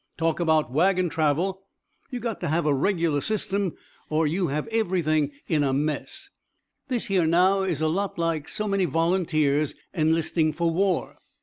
Talk about wagon travel you got to have a regular system or you have everything in a mess. This here, now, is a lot like so many volunteers enlisting for war.